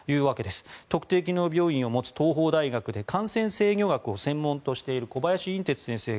特定機能病院を持つ東邦大学で感染制御学を専門としている小林寅てつ先生